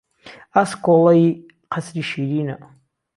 ئاسکۆڵهی قهسری شیرینه